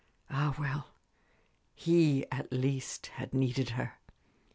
Ah, well, he, at least, had needed her.